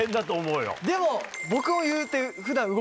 でも僕もいうて。